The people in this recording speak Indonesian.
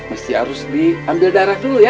mesti harus diambil darah dulu ya